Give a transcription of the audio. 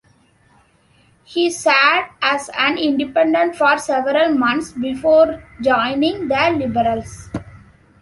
He sat as an independent for several months before joining the Liberals.